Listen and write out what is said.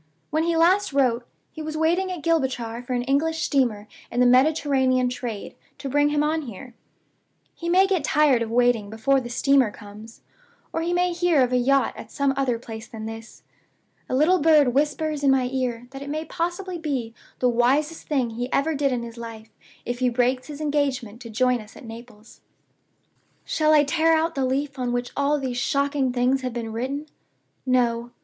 When he last wrote, he was waiting at Gibraltar for an English steamer in the Mediterranean trade to bring him on here. He may get tired of waiting before the steamer comes, or he may hear of a yacht at some other place than this. A little bird whispers in my ear that it may possibly be the wisest thing he ever did in his life if he breaks his engagement to join us at Naples. "Shall I tear out the leaf on which all these shocking things have been written? No.